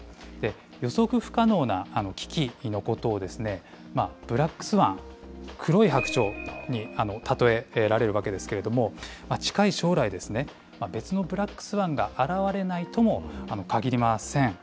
予測不可能な危機のことをですね、ブラックスワン・黒い白鳥に例えられるわけですけれども、近い将来ですね、別のブラックスワンが現れないともかぎりません。